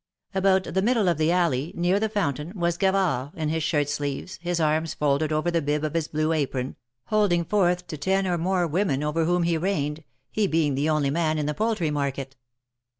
About the middle of the alley, near the fountain, was Gavard in his shirt sleeves, his arm folded over the bib of his blue apron, holding forth to ten or more women over whom he reigned, he being the only man in the poultry market.